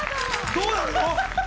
どうなるの？